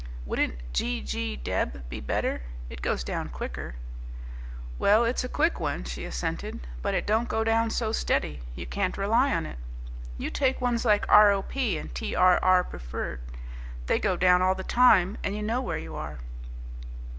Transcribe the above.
"Wouldn't 'G.G. deb.' be better? It goes down quicker." "Well, it's a quick one," she assented, "but it don't go down so steady. You can't rely on it. You take ones like R.O.P. and T.R.R. pfd.; they go down all the time and you know where you are."